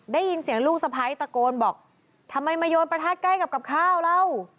ได้ยินเสียงลูกสะพ้ายตะโกนบอกทำไมมาโยนประทัดใกล้กับกับข้าวเรา